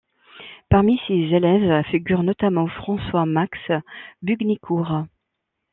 Parmi ses élèves figurent notamment Francois Max Bugnicourt.